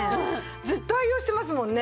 ずっと愛用してますもんね。